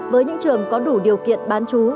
với những trường có đủ điều kiện bán chú